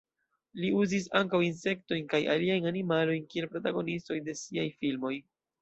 Li uzis ankaŭ insektojn kaj aliajn animalojn kiel protagonistoj de siaj filmoj.